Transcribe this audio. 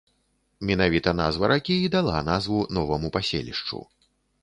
Менавіта назва ракі і дала назву новаму паселішчу.